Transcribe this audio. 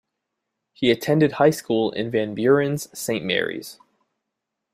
He attended High School in Van Buren's Saint Mary's.